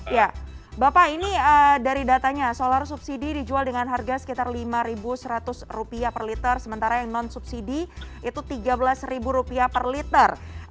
ya bapak ini dari datanya solar subsidi dijual dengan harga sekitar rp lima seratus per liter sementara yang non subsidi itu rp tiga belas per liter